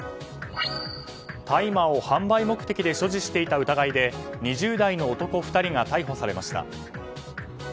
大麻を販売目的で所持していた疑いで２０代の男２人が逮捕されました。